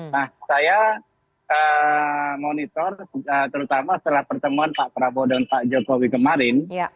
nah saya monitor terutama setelah pertemuan pak prabowo dan pak jokowi kemarin